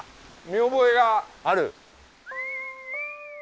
見覚えがある！